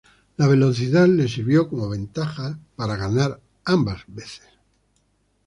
La velocidad le sirvió como ventaja para ganar ambas veces.